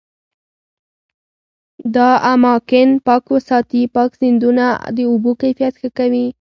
دا اماکن پاک وساتي، پاک سیندونه د اوبو کیفیت ښه کوي.